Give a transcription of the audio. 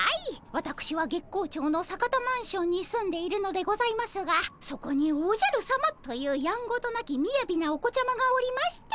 わたくしは月光町の坂田マンションに住んでいるのでございますがそこにおじゃるさまというやんごとなきみやびなお子ちゃまがおりまして。